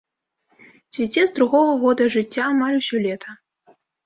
Цвіце з другога года жыцця амаль усё лета.